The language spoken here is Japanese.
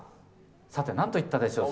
さて何といったでしょう